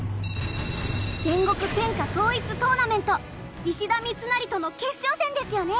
戦国天下統一トーナメント石田三成との決勝戦ですよね。